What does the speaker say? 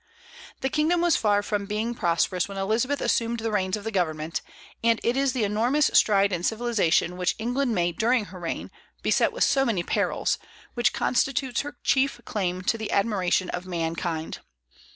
The kingdom was far from being prosperous when Elizabeth assumed the reins of government, and it is the enormous stride in civilization which England made during her reign, beset with so many perils, which constitutes her chief claim to the admiration of mankind.